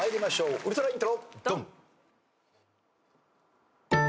ウルトライントロ。